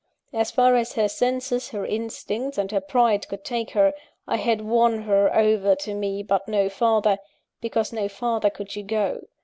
As far as her senses, her instincts, and her pride could take her, I had won her over to me but no farther because no farther could she go.